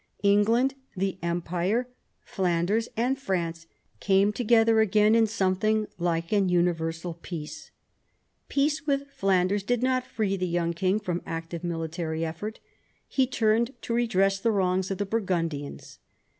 England, the Empire, Flanders, and France came together again in something like an universal peace. Peace with Flanders did not free the young king from active military effort. He turned to redress the wrongs of the Burgundians.